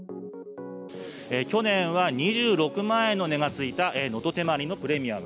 去年は２６万円の値がついたのとてまりのプレミアム。